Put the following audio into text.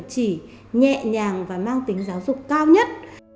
chỉ nhẹ nhàng và mang tính giáo dục cao nhất